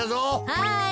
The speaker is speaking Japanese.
はい。